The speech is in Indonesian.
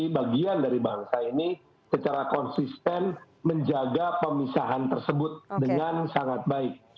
bagian dari bangsa ini secara konsisten menjaga pemisahan tersebut dengan sangat baik